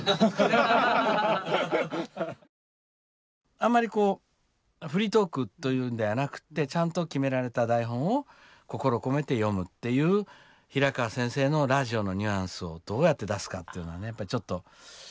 あんまりこうフリートークというんではなくってちゃんと決められた台本を心込めて読むっていう平川先生のラジオのニュアンスをどうやって出すかっていうのはねやっぱちょっと。